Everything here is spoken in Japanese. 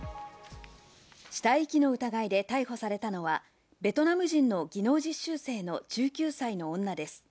死体遺棄の疑いで逮捕されたのはベトナム人の技能実習生の１９歳の女です。